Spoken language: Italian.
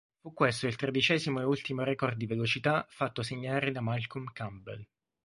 Fu questo il tredicesimo e ultimo record di velocità fatto segnare da Malcolm Campbell.